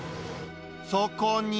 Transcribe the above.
そこに。